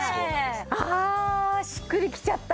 ああしっくりきちゃった。